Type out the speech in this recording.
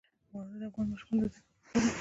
واوره د افغان ماشومانو د زده کړې موضوع ده.